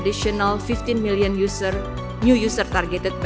dengan lima belas juta pengguna yang baru yang ditarget oleh d d dua ribu dua puluh dua